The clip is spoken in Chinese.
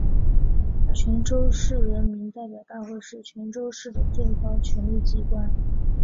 泉州市人民代表大会是泉州市的最高权力机关。